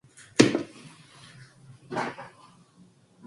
간난이는 실끝을 왼손에 걸어 쥐고 나서 바른 손으로 실끝을 하나씩 끌어 사기바늘에 붙였다.